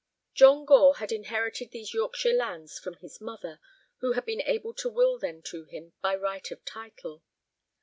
John Gore had inherited these Yorkshire lands from his mother, who had been able to will them to him by right of title.